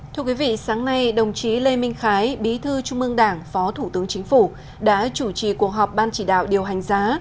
thưa quý vị sáng nay đồng chí lê minh khái bí thư trung ương đảng phó thủ tướng chính phủ đã chủ trì cuộc họp ban chỉ đạo điều hành giá